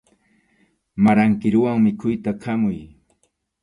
Maran kiruwan mikhuyta khamuy.